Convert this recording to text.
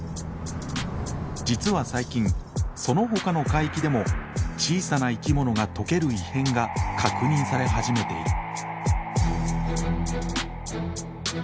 実は最近そのほかの海域でも小さな生き物が溶ける異変が確認され始めている。